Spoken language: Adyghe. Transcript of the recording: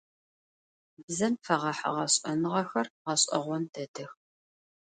Бзэм фэгъэхьыгъэ шӏэныгъэхэр гъэшӏэгъон дэдэх.